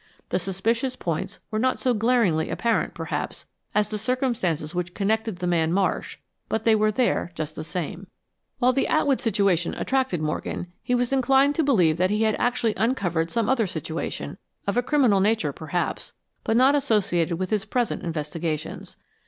The suspicious points were not so glaringly apparent, perhaps, as the circumstances which connected the man Marsh, but they were there just the same. While the Atwood situation attracted Morgan, he was inclined to believe that he had actually uncovered some other situation; of a criminal nature, perhaps, but not associated with his present investigations.